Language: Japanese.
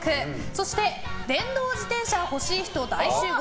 そして電動自転車欲しい人、大集合！